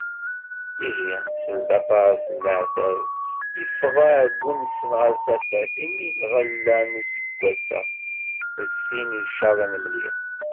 Ihi seld aṭaṣ n leεtab, yeffeɣ εeggu-nsen ɣer tafat, imi lɣella n useggas-a d tin icaḍen mliḥ.